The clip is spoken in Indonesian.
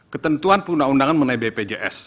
ketentuan perundang undangan mengenai bpjs